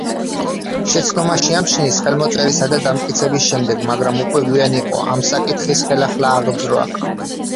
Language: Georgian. შეცდომა შეამჩნიეს ხელმოწერისა და დამტკიცების შემდეგ, მაგრამ უკვე გვიან იყო ამ საკითხის ხელახლა აღძვრა.